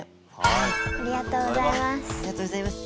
ありがとうございます。